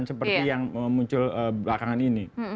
seperti yang muncul belakangan ini